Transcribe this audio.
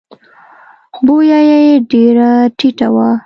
بویه یې ډېره ټیټه وه.